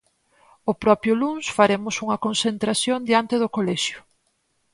O propio luns faremos unha concentración diante do colexio.